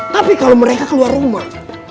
tapi kalau mereka keluar rumah